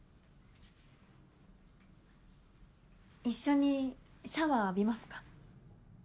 一緒にシャワー浴びますか？